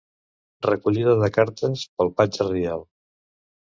Recollida de cartes pel Patge reial.